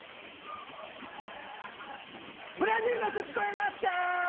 ブラジルの人聞こえますかー？